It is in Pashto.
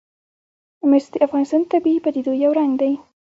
مس د افغانستان د طبیعي پدیدو یو رنګ دی.